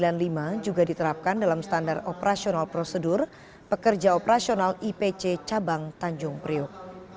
lima juga diterapkan dalam standar operasional prosedur pekerja operasional ipc cabang tanjung priuk